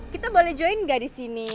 kita boleh join ga disini